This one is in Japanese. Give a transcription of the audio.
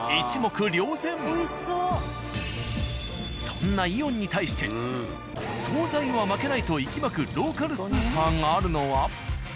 そんな「イオン」に対してお惣菜は負けない！と息巻くローカルスーパーがあるのは。